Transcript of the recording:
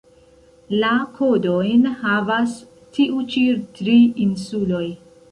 La kodojn havas tiu ĉi tri insuloj.